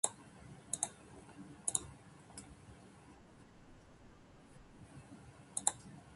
やっと仕事が終わった。